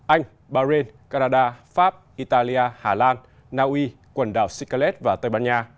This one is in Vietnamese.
anh bahrain canada pháp italia hà lan naui quần đảo sicilet và tây ban nha